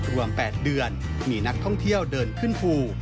รวม๘เดือนมีนักท่องเที่ยวเดินขึ้นภู